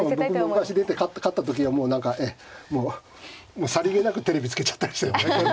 僕も昔出て勝った時にはもう何かさりげなくテレビつけちゃったりして。